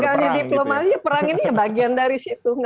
gagalnya diplomasi perang ini bagian dari situ